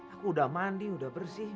aku udah mandi udah bersih